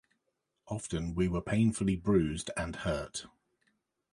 Often we were painfully bruised and hurt.